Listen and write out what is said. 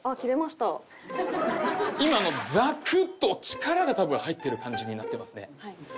今のザクッと力が多分入ってる感じになってますね。